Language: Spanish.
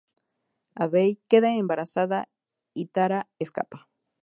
Abbey queda embarazada y Tara escapa.